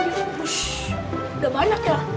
udah banyak ya